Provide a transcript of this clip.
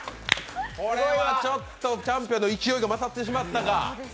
これはチャンピオンの勢いが増さってしまったか。